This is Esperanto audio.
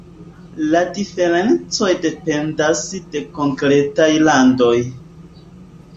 La diferencoj dependas de konkretaj landoj.